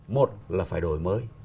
một là phải đổi mới